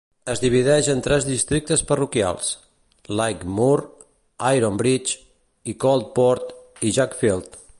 Es divideix en tres districtes parroquials: Lightmoor, Ironbridge, i Coalport i Jackfield.